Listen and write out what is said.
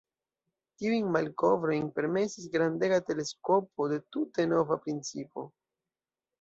Tiujn malkovrojn permesis grandega teleskopo de tute nova principo.